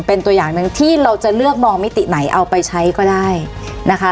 เป็นตัวอย่างหนึ่งที่เราจะเลือกมองมิติไหนเอาไปใช้ก็ได้นะคะ